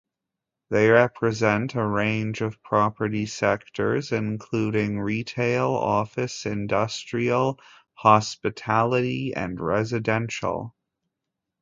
They represent a range of property sectors including retail, office, industrial, hospitality and residential.